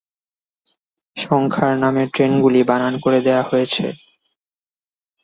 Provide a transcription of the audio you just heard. সংখ্যার নামের ট্রেনগুলি বানান করে দেওয়া হয়েছে।